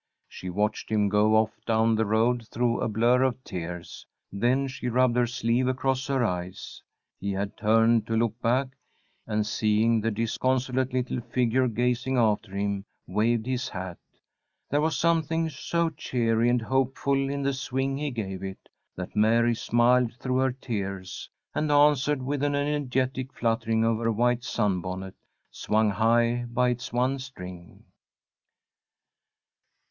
She watched him go off down the road through a blur of tears. Then she rubbed her sleeve across her eyes. He had turned to look back, and, seeing the disconsolate little figure gazing after him, waved his hat. There was something so cheery and hopeful in the swing he gave it, that Mary smiled through her tears, and answered with an energetic fluttering of her white sunbonnet, swung high by its one string.